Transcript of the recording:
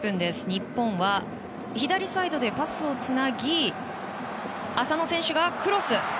日本は左サイドでパスをつなぎ浅野選手がクロス。